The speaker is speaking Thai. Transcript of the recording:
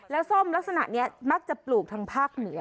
แล้วส้มลักษณะนี้มักจะปลูกทางภาคเหนือ